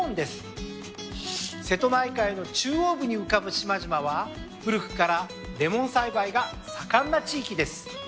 瀬戸内海の中央部に浮かぶ島々は古くからレモン栽培が盛んな地域です。